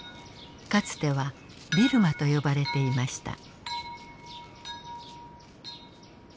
かつてはビルマと呼ばれていました。